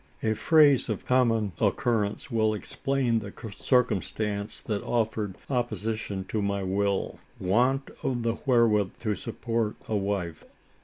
A phrase of common occurrence will explain the circumstance that offered opposition to my will: "want of the wherewith to support a wife."